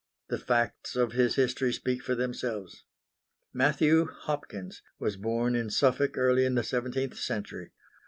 The facts of his history speak for themselves. Matthew Hopkins was born in Suffolk early in the seventeenth century.